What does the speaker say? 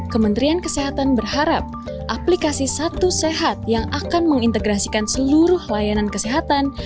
kementerian kesehatan berharap aplikasi satu sehat yang akan mengintegrasikan seluruh layanan kesehatan